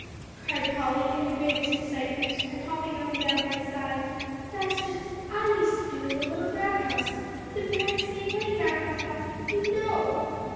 cried Polly in the greatest excitement, and hopping up and down by his side, "that's just as I used to do in the little brown house, the very same way, Grandpapa, you know."